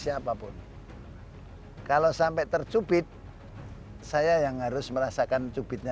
jadi jejatnya nggak ada her artificial